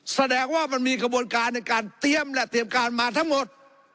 แสดงว่ามันมีกระบวนการในการเตรียมและเตรียมการมาทั้งหมด